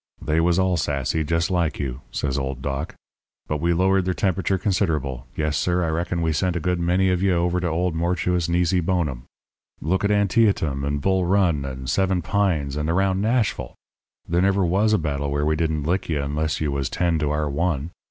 "'They was all sassy, just like you,' says old Doc, 'but we lowered their temperature considerable. Yes, sir, I reckon we sent a good many of ye over to old mortuis nisi bonum. Look at Antietam and Bull Run and Seven Pines and around Nashville! There never was a battle where we didn't lick ye unless you was ten to our one.